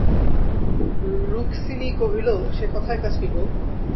রুক্মিণী কহিল, সে-কথায় কাজ কী গা!